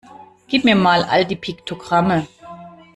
Gib mir mal all die Piktogramme!